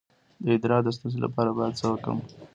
د ادرار د ستونزې لپاره باید څه وکړم؟